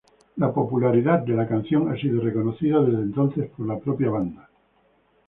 La popularidad de la canción ha sido reconocida desde entonces por la propia banda.